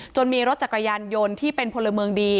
มีรถจักรยานยนต์ที่เป็นพลเมืองดี